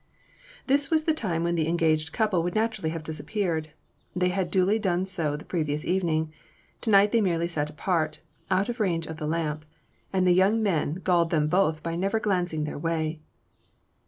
This was the time when the engaged couple would naturally have disappeared; they had duly done so the previous evening; to night they merely sat apart, out of range of the lamp, and the young men galled them both by never glancing their way.